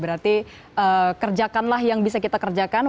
berarti kerjakanlah yang bisa kita kerjakan